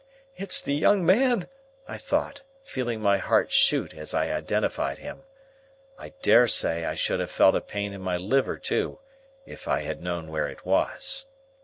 "It's the young man!" I thought, feeling my heart shoot as I identified him. I dare say I should have felt a pain in my liver, too, if I had known where it was.